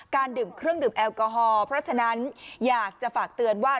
ดื่มเครื่องดื่มแอลกอฮอล์เพราะฉะนั้นอยากจะฝากเตือนว่า